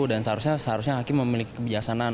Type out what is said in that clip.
dan seharusnya hakim memiliki kebijaksanaan